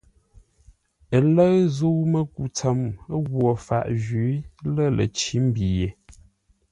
Ə lə̂ʉ zə̂u-mə́ku tsəm ghwo faʼ jwǐ lə̂ ləcǐ-mbî ye.